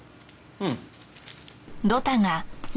うん。